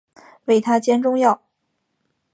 为她煎中药